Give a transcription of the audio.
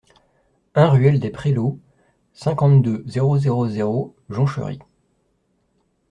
un ruelle des Prélots, cinquante-deux, zéro zéro zéro, Jonchery